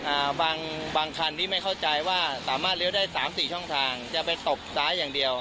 อ่าบางบางคันนี้ไม่เข้าใจว่าสามารถเลี้ยวได้สามสี่ช่องทางจะไปตบซ้ายอย่างเดียว